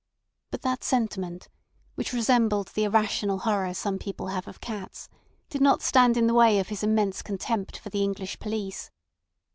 But that sentiment, which resembled the irrational horror some people have of cats, did not stand in the way of his immense contempt for the English police.